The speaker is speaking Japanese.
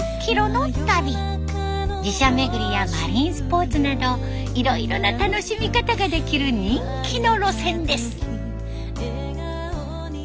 寺社巡りやマリンスポーツなどいろいろな楽しみ方ができる人気の路線です。